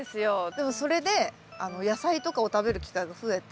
でもそれで野菜とかを食べる機会が増えて。